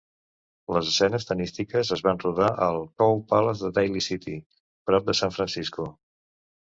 Les escenes tennístiques es van rodar al Cow Palace de Daly City, prop de San Francisco.